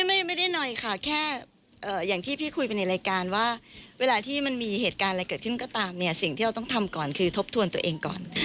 ไม่ได้หน่อยค่ะแค่อย่างที่พี่คุยไปในรายการว่าเวลาที่มันมีเหตุการณ์อะไรเกิดขึ้นก็ตามเนี่ยสิ่งที่เราต้องทำก่อนคือทบทวนตัวเองก่อน